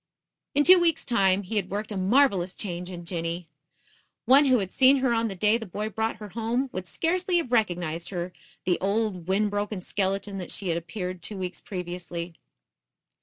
In two weeks time he had worked a marvelous change in Jinny. One who had seen her on the day the boy brought her home, would scarcely have recognized in her the old, wind broken skeleton that she had appeared two weeks previously.